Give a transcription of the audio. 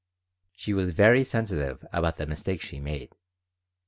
She was very sensitive about the mistakes she made.